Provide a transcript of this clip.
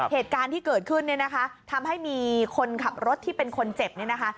เหตุการณ์ที่เกิดขึ้นเนี่ยนะคะทำให้มีคนขับรถที่เป็นคนเจ็บเนี่ยนะคะ